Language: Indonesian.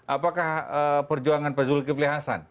apakah perjuangan pak zulkifli hasan